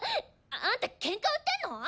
あんたケンカ売ってんの⁉